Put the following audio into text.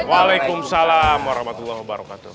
waalaikumsalam warahmatullahi wabarakatuh